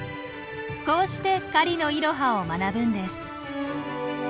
こうして狩りのイロハを学ぶんです。